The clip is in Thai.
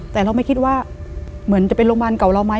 แต่เราไม่คิดว่าเหมือนจะเป็นโรงพยาบาลเก่าเราไหม